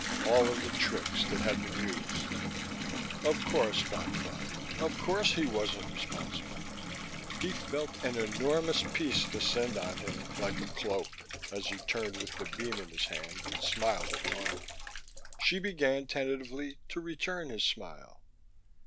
All of the tricks that had been used.... Of course, Dodd thought. Of course he wasn't responsible. He felt an enormous peace descend on him, like a cloak, as he turned with the beam in his hand and smiled at Norma. She began, tentatively, to return his smile.